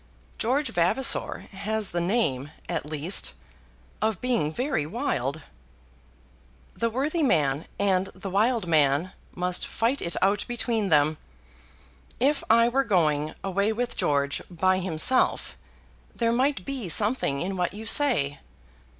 George Vavasor has the name, at least, of being very wild." "The worthy man and the wild man must fight it out between them. If I were going away with George by himself, there might be something in what you say."